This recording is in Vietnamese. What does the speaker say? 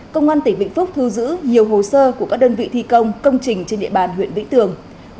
công an tỉnh vĩnh phúc thu giữ nhiều hồ sơ của các đơn vị thi công công trình trên địa bàn huyện vĩnh tường